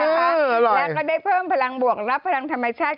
แล้วก็ได้เพิ่มพลังบวกรับพลังธรรมชาติ